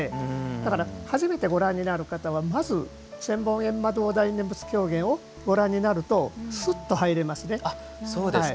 だから、初めてご覧になる方はまず、「千本ゑんま堂大念佛狂言」をご覧になるとそうですか。